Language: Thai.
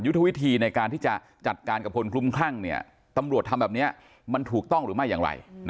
ทวิธีในการที่จะจัดการกับคนคลุมคลั่งตำรวจทำแบบนี้มันถูกต้องหรือไม่อย่างไร